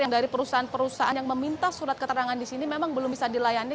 yang dari perusahaan perusahaan yang meminta surat keterangan di sini memang belum bisa dilayani